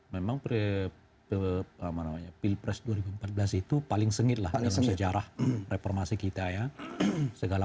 memang pilpres dua ribu empat belas itu paling sengit lah dalam sejarah reformasi kita ya segala